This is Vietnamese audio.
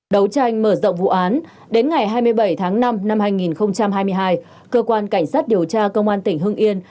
đấu tranh mở rộng vụ án đến ngày hai mươi bảy tháng năm năm hai nghìn hai mươi hai cơ quan cảnh sát điều tra công an tỉnh hưng yên